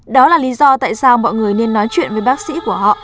đó là lý do tại sao mọi người nên nói chuyện với bác sĩ của họ